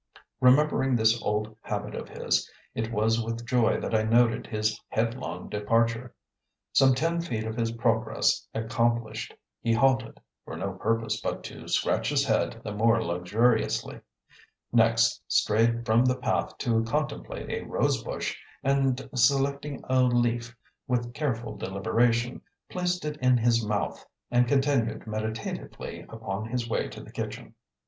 Remembering this old habit of his, it was with joy that I noted his headlong departure. Some ten feet of his progress accomplished, he halted (for no purpose but to scratch his head the more luxuriously); next, strayed from the path to contemplate a rose bush, and, selecting a leaf with careful deliberation, placed it in his mouth and continued meditatively upon his way to the kitchen.